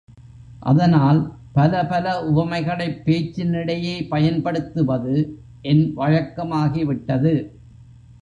அதனால் பல பல உவமைகளைப் பேச்சினிடையே பயன்படுத்துவது என் வழக்கமாகிவிட்டது.